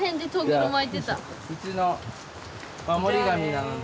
うちの守り神なので。